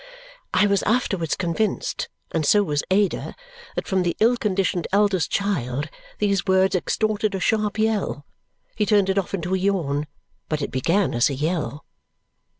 I was afterwards convinced (and so was Ada) that from the ill conditioned eldest child, these words extorted a sharp yell. He turned it off into a yawn, but it began as a yell.